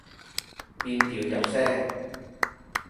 變調入聲